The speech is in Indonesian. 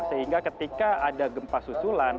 sehingga ketika ada gempa susulan